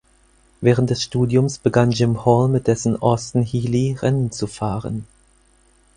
Während des Studiums begann Jim Hall mit dessen Austin Healey Rennen zu fahren.